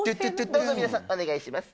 どうぞ皆さん、お願いします。